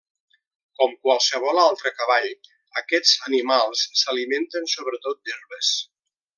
Com qualsevol altre cavall, aquests animals s'alimenten sobretot d'herbes.